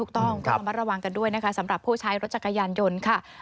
ต้องระมัดระวังกันด้วยนะคะสำหรับผู้ใช้รถจักรยานยนต์ค่ะ